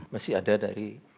masih ada dari